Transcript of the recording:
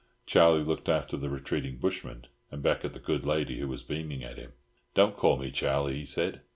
Charlie looked after the retreating bushman, and back at the good lady who was beaming at him. "Don't call me Charlie," he said.